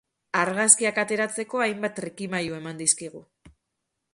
Argazkiak ateratzeko hainbat trikimailu eman dizkigu.